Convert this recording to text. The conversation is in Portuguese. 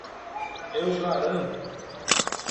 Eu garanto